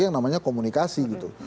yang namanya komunikasi gitu